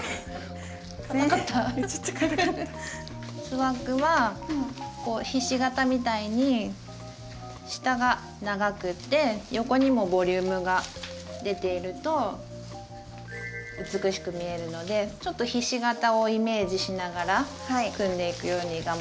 スワッグはひし形みたいに下が長くて横にもボリュームが出ていると美しく見えるのでちょっとひし形をイメージしながら組んでいくように頑張ってみて下さい。